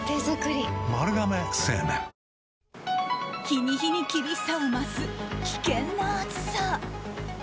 日に日に厳しさを増す危険な暑さ。